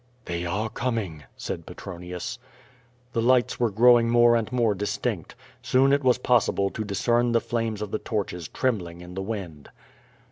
'' "They are coming," said Petronius. QVO TADIS, 433 The lights were growing more and more distinct. Soon it was possible to discern the flames of the torclies trembling in the wind.